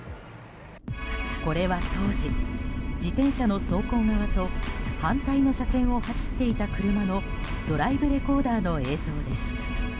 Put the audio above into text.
これは当時自転車の走行側と反対の車線を走っていた車のドライブレコーダーの映像です。